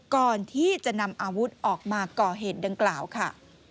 ก่อนที่จะนำอาวุธออกมาก่อเหตุดังกล่าวค่ะ